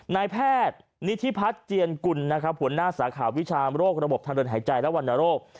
นายแพทย์นิธิพัฒน์เจียนกุลนะครับหัวหน้าสาขาวิชามโรคระบบทางเดินหายใจและวรรณโรค